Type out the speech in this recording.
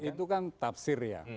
itu kan tafsir ya